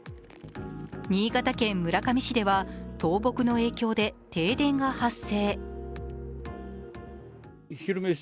新潟県村上市では倒木の影響で停電が発生。